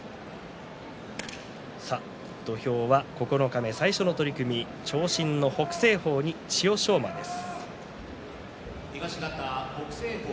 土俵は九日目、最初の取組長身の北青鵬に千代翔馬です。